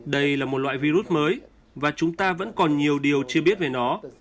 đây là một loại virus mới và chúng ta vẫn còn nhiều điều chưa biết về nó